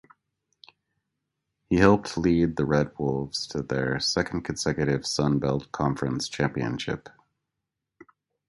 He helped lead the Red Wolves to their second consecutive Sun Belt Conference championship.